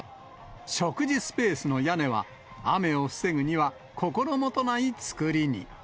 食事スペースの屋根は、雨を防ぐには心もとない造りに。